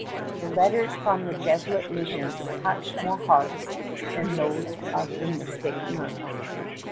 The letters from the Jesuit missions touched more hearts than those of the mystic nuns.